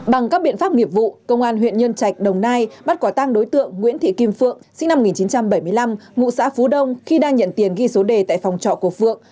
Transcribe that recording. bằng các biện pháp nghiệp vụ công an huyện nhân trạch đồng nai bắt quả tang đối tượng nguyễn thị kim phượng sinh năm một nghìn chín trăm bảy mươi năm ngụ xã phú đông khi đang nhận tiền ghi số đề tại phòng trọ của phượng